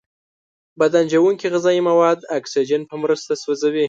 بدن ژونکې غذایي مواد د اکسیجن په مرسته سوځوي.